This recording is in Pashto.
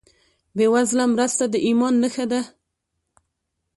بېوزله مرسته د ایمان نښه ده.